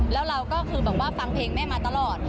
แล้วเราก็คือแบบว่าฟังเพลงแม่มาตลอด